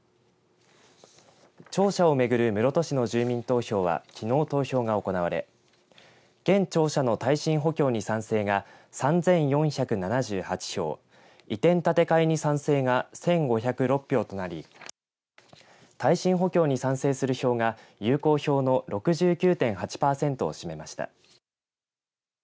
庁舎を巡る室戸市の住民投票はきのう投票が行われ現庁舎の耐震補強に賛成が３４７８票移転建て替えに賛成が１５０６票となり耐震補強に賛成する票が有効票の６９．８パーセントを占めました。